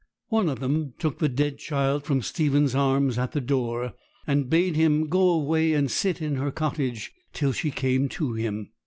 One of them took the dead child from Stephen's arms at the door, and bade him go away and sit in her cottage till she came to him.